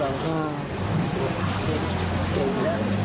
เป็นอย่างนี้แล้ว